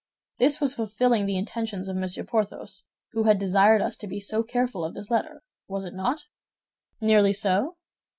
This was fulfilling the intentions of Monsieur Porthos, who had desired us to be so careful of this letter, was it not?" "Nearly so."